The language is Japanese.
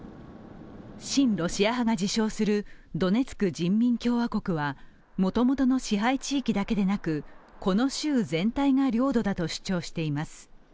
親ロシア派が自称するドネツク人民共和国は元々の支配地域だけでなく、この州全体が領土だと主張しています。